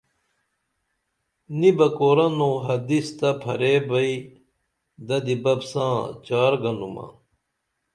نِبہ قرآں او حدیث تہ فرعے بئی ددی بپ ساں چار گنُمہ